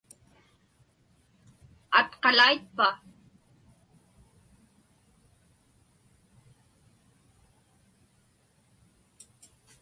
Atqalaitpa?